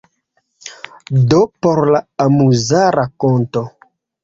Do por la amuza rakonto.